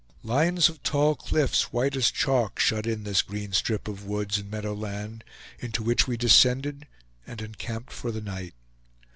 Lines of tall cliffs, white as chalk, shut in this green strip of woods and meadow land, into which we descended and encamped for the night.